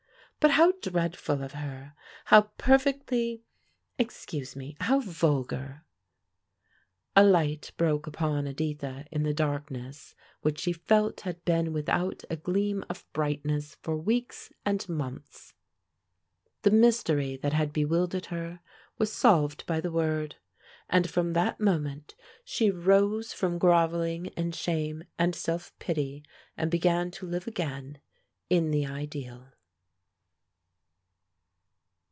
"But how dreadful of her! How perfectly excuse me how vulgar!" A light broke upon Editha in the darkness which she felt had been without a gleam of brightness for weeks and months. The mystery that had bewildered her was solved by the word; and from that moment she rose from grovelling in shame and self pity, and began to live again in the ideal.